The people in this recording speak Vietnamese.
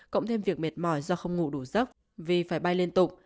cộng thêm việc mệt mỏi do không ngủ đủ giấc vì phải bay liên tục